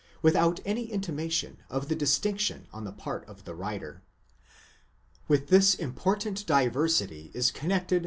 361 without any intimation of the distinction on the part of the writer. With this important diversity is connected.